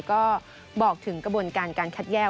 ก็บอกถึงกระบวนการการคัดแยก